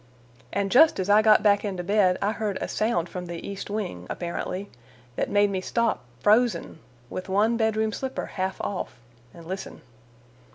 And just as I got back into bed, I heard a sound from the east wing, apparently, that made me stop, frozen, with one bedroom slipper half off, and listen.